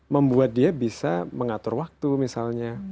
membuat dia bisa mengatur waktu misalnya